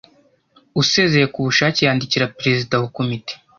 Usezeye k ubushake yandikira Perezida wa Komite